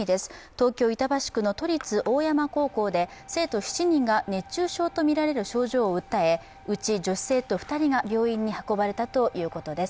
東京・板橋区の都立大山高校で生徒７人が熱中症とみられる症状を訴え、うち女子生徒２人が病院に運ばれたということです。